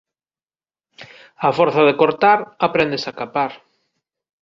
Á forza de cortar apréndese a capar